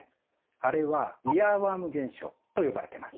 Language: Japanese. あれはイヤーワーム現象と呼ばれてます。